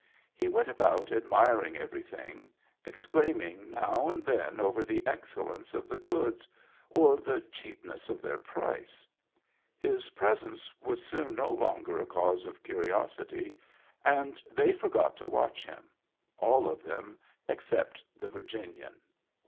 He went about admiring everything, ex claiming now and then over the excellence of the goods, or the cheapness of their price. His pres ence was soon no longer a cause of curiosity, and Digitized by Google HAPPY TEETH 6i they forgot to watch him — all of them except the Virginian.